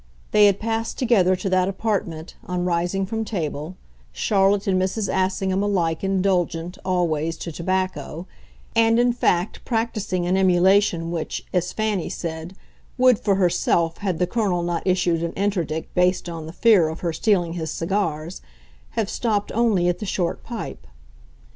They had passed together to that apartment, on rising from table, Charlotte and Mrs. Assingham alike indulgent, always, to tobacco, and in fact practising an emulation which, as Fanny said, would, for herself, had the Colonel not issued an interdict based on the fear of her stealing his cigars, have stopped only at the short pipe.